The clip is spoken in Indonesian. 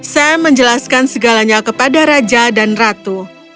sam menjelaskan segalanya kepada raja dan ratu